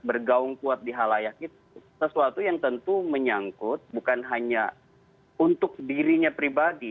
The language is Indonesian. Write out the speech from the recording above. bergaung kuat di halayak itu sesuatu yang tentu menyangkut bukan hanya untuk dirinya pribadi